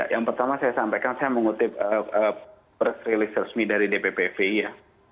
yang pertama saya sampaikan saya mengutip press release resmi dari dpppi ya